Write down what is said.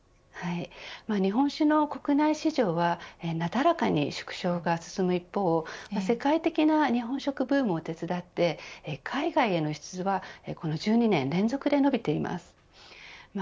日本酒の国内市場はなだらかに縮小が進む一方世界的な日本食ブームも手伝って海外への輸出はこの１２年連続で伸びています。